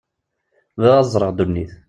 Bɣiɣ ad ẓreɣ ddunit.